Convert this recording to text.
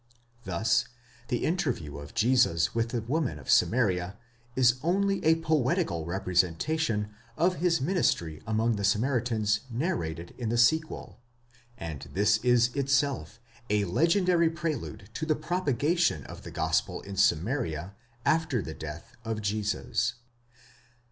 Thus, the interview of Jesus with the woman of Samaria is only a poetical representation of his ministry among the Samaritans narrated in the sequel; and this is itself a legendary prelude to the propagation of the gospel in Samaria after the death. of Jesus.